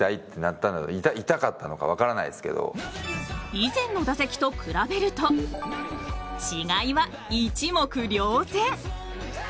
以前の打席と比べると違いは一目瞭然。